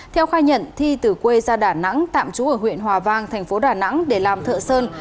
theo khai nhận thi từ quê ra đà nẵng tạm trú ở huyện hòa vang thành phố đà nẵng để làm thợ sơn